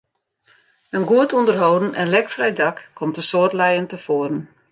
In goed ûnderholden en lekfrij dak komt in soad lijen tefoaren.